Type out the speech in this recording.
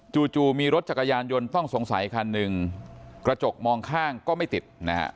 จู่มีรถจักรยานยนต์ต้องสงสัยคันหนึ่งกระจกมองข้างก็ไม่ติดนะฮะ